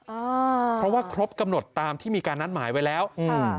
อ่าเพราะว่าครบกำหนดตามที่มีการนัดหมายไว้แล้วอืม